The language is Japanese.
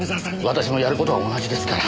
私もやる事は同じですから。